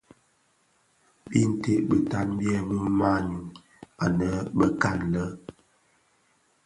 Binted bitan byèbi manyu anë bekan lè.